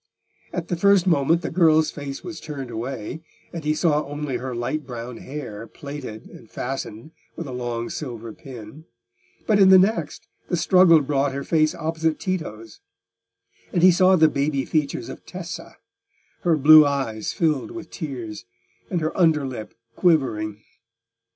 At the first moment the girl's face was turned away, and he saw only her light brown hair plaited and fastened with a long silver pin; but in the next, the struggle brought her face opposite Tito's, and he saw the baby features of Tessa, her blue eyes filled with tears, and her under lip quivering.